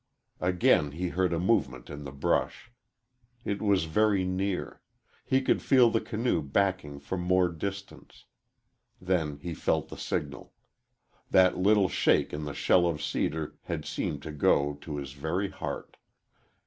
Again he heard a movement in the brush. It was very near; he could feel the canoe backing for more distance. Then he felt the signal. That little shake in the shell of cedar had seemed to go to his very heart.